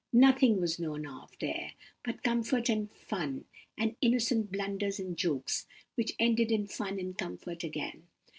Nothing was known of, there, but comfort and fun, and innocent blunders and jokes, which ended in fun and comfort again.